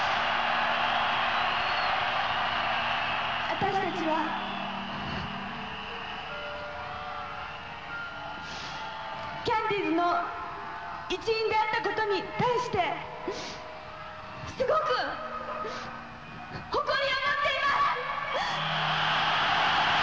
私たちはキャンディーズの一員であったことに対してすごく誇りを持っています！